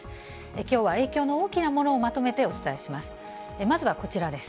きょうは影響の大きなものをまとめてお伝えします。